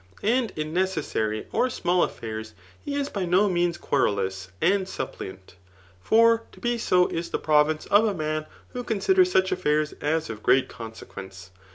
And in necessary^ or small afiairs, he is by no means querulous and suppliant ; for to be so is die province of a man who considers such affairs as of great consequence.